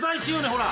ほら。